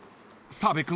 ［澤部君